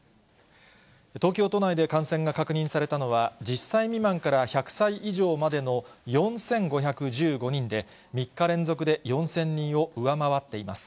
東京都内で感染が確認されたのは、１０歳未満から１００歳以上までの４５１５人で、３日連続で４０００人を上回っています。